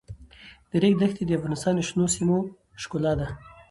د ریګ دښتې د افغانستان د شنو سیمو ښکلا ده.